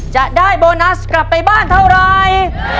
จะได้โบนัสกลับไปบ้านเท่าไร